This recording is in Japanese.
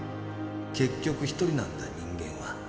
結局一人なんだ人間は。